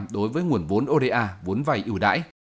đối với nguồn vốn oda vốn vay yêu đáy